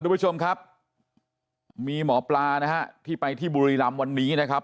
ทุกผู้ชมครับมีหมอปลานะฮะที่ไปที่บุรีรำวันนี้นะครับ